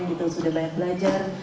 kita sudah banyak belajar